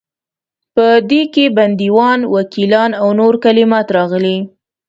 په دې کې بندیوان، وکیلان او نور کلمات راغلي.